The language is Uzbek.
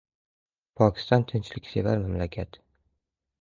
Pokiston tinchliksevar mamlakat.